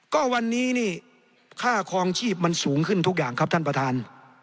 ก็วันนี้นี่ค่าคลองชีพมันสูงขึ้นทุกอย่างครับท่านประธาน